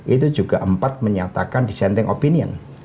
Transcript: itu juga empat menyatakan dissenting opinion